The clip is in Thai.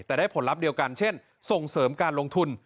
แต่ได้ผลลัพธ์เดียวกันเช่นส่งเสริมการลงทุน